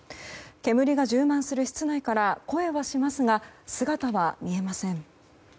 煙が充満する室内から声はしますが姿は見えません。